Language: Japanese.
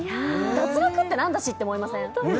脱落って何だしって思いません？